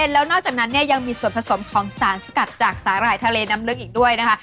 แล้วนอกจากนั้นเนี่ยยังมีส่วนผสมของสารสกัดจากสาหร่ายทะเลน้ำลึกอีกด้วยนะคะ